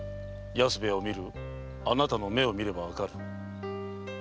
安兵衛を見るあなたの目を見ればわかる。